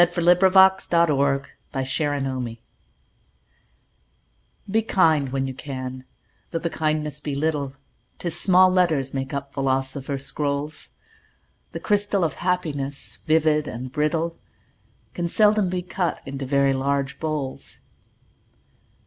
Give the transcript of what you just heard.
146033Be Kind When You CanEliza Cook Be kind when you can, though the kindness be little, 'Tis small letters make up philosophers' scrolls; The crystal of Happiness, vivid and brittle, Can seldom be cut into very large bowls.